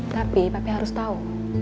tapi papi harus tahu